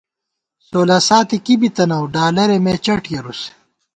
سولہ ساتی کی بی تَنَؤ ڈالَرے مےچٹ کېرُس